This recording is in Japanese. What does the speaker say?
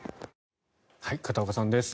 片岡さんです。